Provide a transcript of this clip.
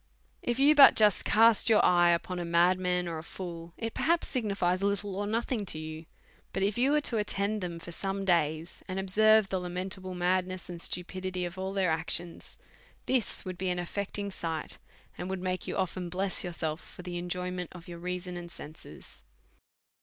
If you had but just cast your eye upon a madman or a fool, it perhaps signifies little or nothing to you ; but if you was to attend them for some days, and ob serve the lamentable madness and stupidity of all their actions, this would be an affecting sight, and would make you often bless yourself for the enjoyment of your reason and senses.